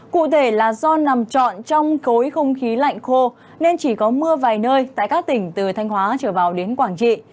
cụ thể là do nằm trọn trong khối không khí lạnh khô nên chỉ có mưa vài nơi tại các tỉnh từ thanh hóa trở vào đến quảng trị